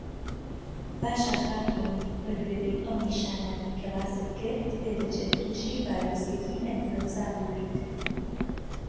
باشه خاتوون بە گوێرەی ئەو نیشانانەی کە باست کرد پێدەچێت تووشی ڤایرۆسێکی ئەنفلەوەنزا بووبیت